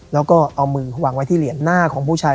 แล้วก็เอามือวางไว้ที่เหรียญหน้าของผู้ชาย